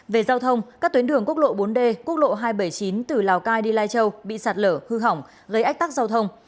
về giao thông các tuyến đường quốc lộ bốn d quốc lộ hai trăm bảy mươi chín từ lào cai đi lai châu bị sạt lở hư hỏng gây ách tắc giao thông